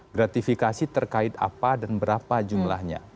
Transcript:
gratifikasi terkait apa dan berapa jumlahnya